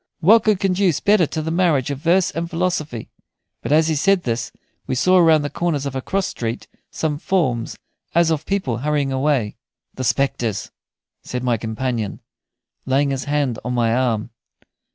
What could conduce better to the marriage of verse and philosophy?" But as he said this we saw around the corner of a cross street some forms as of people hurrying away. "The spectres," said my companion, laying his hand on my arm.